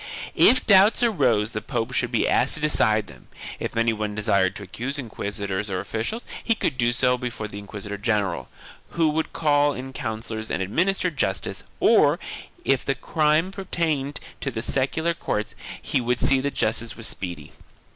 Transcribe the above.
If doubts arose the pope should be asked to decide them; if any one desired to accuse inquisitors or officials, he could do so before the inquisitor general, who would call in counsellors and administer justice, or, if the crime appertained to the secular courts, he would see that justice was speedy.